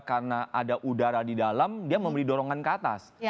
karena ada udara di dalam dia memberi dorongan ke atas